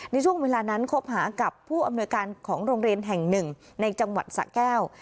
ในช่วงเวลานั้นคบหากับผู้อำนวยการของโรงเรียนแห่งหนึ่งในจังหวัดสะแก้ว